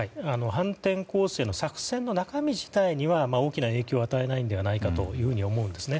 反転攻勢の作戦の中身自体には大きな影響を与えないのではないかと思うんですね。